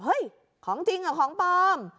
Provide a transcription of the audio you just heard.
เห้ยของจริงหรือของปลอม